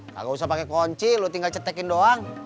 gak usah pakai kunci lo tinggal cetekin doang